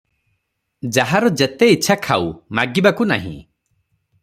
ଯାହାର ଯେତେ ଇଚ୍ଛା ଖାଉ, ମାଗିବାକୁ ନାହିଁ ।